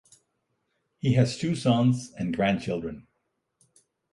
He has two sons and grandchildren.